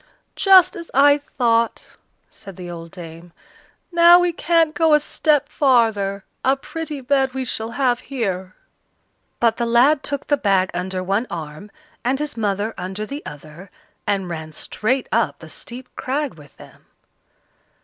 "Just as I thought!" said the old dame, "now we can't go a step farther; a pretty bed we shall have here!" But the lad took the bag under one arm, and his mother under the other, and ran straight up the steep crag with them.